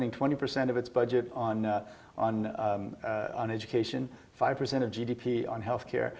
akan lebih sulit untuk mereka